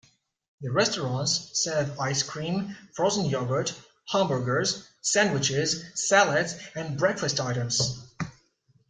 The restaurants serve ice cream, frozen yogurt, hamburgers, sandwiches, salads and breakfast items.